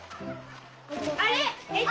あれ！